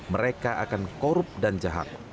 mereka akan korup dan jahat